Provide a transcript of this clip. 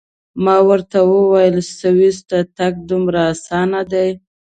ما ورته وویل: سویس ته تګ دومره اسان نه دی.